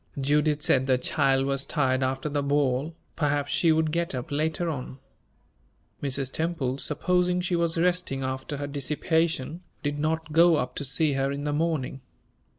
Judith said the child was tired after the ball; perhaps she would get up later on. Mrs. Temple, supposing she was resting after her dissipation, did not go up to see her in the morning.